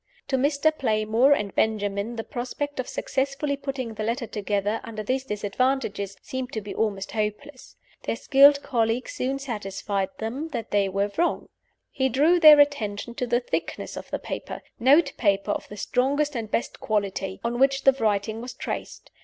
To Mr. Playmore and Benjamin the prospect of successfully putting the letter together, under these disadvantages, seemed to be almost hopeless. Their skilled colleague soon satisfied them that they were wrong. He drew their attention to the thickness of the paper note paper of the strongest and best quality on which the writing was traced.